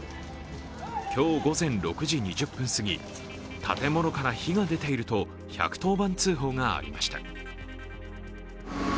今日午前６時２０分すぎ建物から火が出ていると１１０番通報がありました。